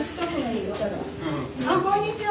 あこんにちは！